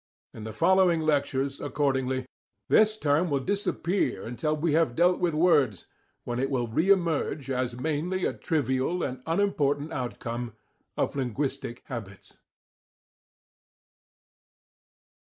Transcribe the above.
In the following lectures, accordingly, this term will disappear until we have dealt with words, when it will re emerge as mainly a trivial and unimportant outcome of linguistic habits.